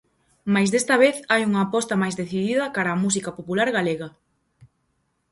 Mais desta vez hai unha aposta máis decidida cara á música popular galega.